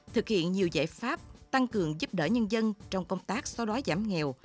thực hiện nhiều giải pháp tăng cường giúp đỡ nhân dân trong công tác xóa đói giảm nghèo